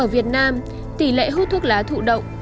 ở việt nam tỷ lệ hút thuốc lá thụ động